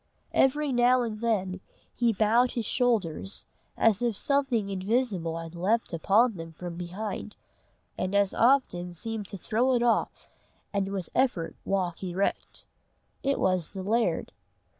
Every now and then he bowed his shoulders, as if something invisible had leaped upon them from behind, and as often seemed to throw it off and with effort walk erect. It was the laird.